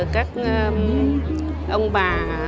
các ông bà